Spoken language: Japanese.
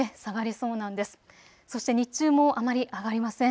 そして日中もあまり上がりません。